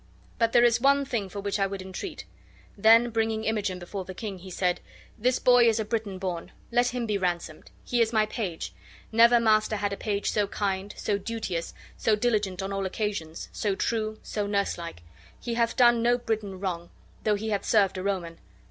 But there is one thing for which I would entreat." Then bringing Imogen before the king, he said: "This boy is a Briton born. Let him be ransomed. He is my page. Never master had a page so kind, so duteous, so diligent on all occasions, so true, so nurselike. He hath done no Briton wrong, though he hath served a Roman.